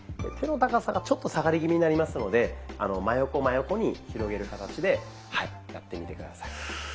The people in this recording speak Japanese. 手の高さがちょっと下がり気味になりますので真横真横に広げる形でやってみて下さい。